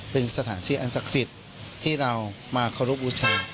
เป็นสถานที่อันศักดิ์สิทธิ์ที่เรามาเคารพบูชา